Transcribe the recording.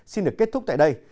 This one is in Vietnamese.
xin được kết thúc tại đây